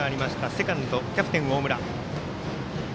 セカンド、キャプテン、大村。